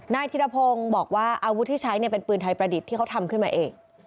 ธิรพงศ์บอกว่าอาวุธที่ใช้เป็นปืนไทยประดิษฐ์ที่เขาทำขึ้นมาเอง